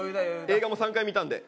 映画も３回見たんで。